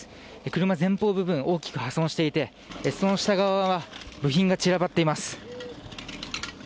車前方部分、大きく破損していてその下側は部品が散らばっています。